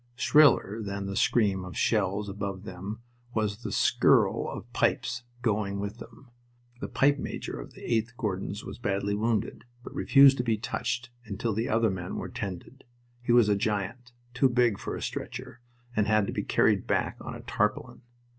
Shriller than the scream of shells above them was the skirl of pipes, going with them. The Pipe Major of the 8th Gordons was badly wounded, but refused to be touched until the other men were tended. He was a giant, too big for a stretcher, and had to be carried back on a tarpaulin.